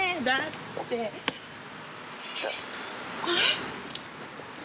あれ？